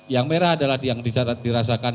yang merah adalah yang dirasakan